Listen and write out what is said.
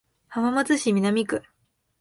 浜松市南区